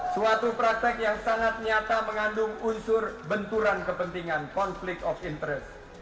suatu praktek yang sangat nyata mengandung unsur benturan kepentingan conflict of interest